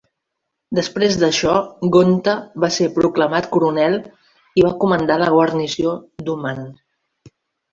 Després d'això, Gonta va ser proclamat coronel i va comandar la guarnició d'Uman.